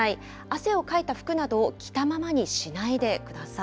汗をかいた服などを着たままにしないでください。